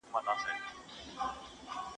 پلار مې پرون یو زوړ ملګری ولید.